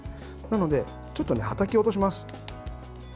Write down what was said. なので、ちょっとはたき落とします。